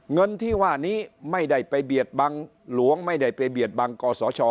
เงินที่ว่านี้ไม่ได้ไปเบียดบังหลวงไม่ได้ไปเบียดบังกศช